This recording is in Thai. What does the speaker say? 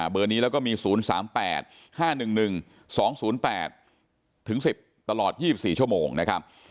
เบอร์นี้แล้วก็มี๐๓๘๕๑๑๒๐๘ถึง๑๐ตลอด๒๔ชั่วโมงนะครับ